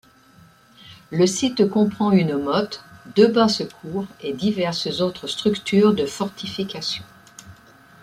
Le site comprend une motte, deux basses-cours et diverses autres structures de fortification.